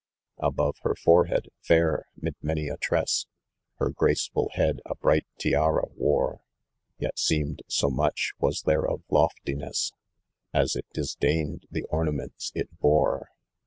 Above her forehead, Cur, mid many a tress, Her graceful head a bright tiara wore, Yet seemed, so much was there of loftiness, As it disdained the ornaments it bore.